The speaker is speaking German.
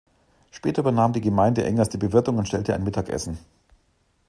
Später übernahm die Gemeinde Engers die Bewirtung und stellte ein Mittagessen.